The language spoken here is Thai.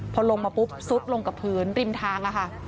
พอลงมาปุ๊บซุดลงกับพื้นริมทางค่ะ